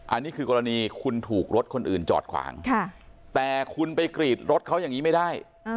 อันนี้คือกรณีคุณถูกรถคนอื่นจอดขวางแต่คุณไปกรีดรถเขาอย่างนี้ไม่ได้